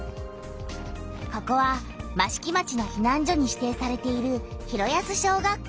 ここは益城町のひなん所に指定されている広安小学校。